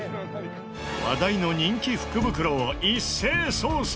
話題の人気福袋を一斉捜査！